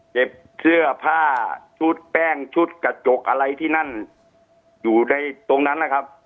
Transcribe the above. เก็บเสื้อผ้าชุดแป้งชุดกระจกอะไรที่นั่นอยู่ในตรงนั้นนะครับ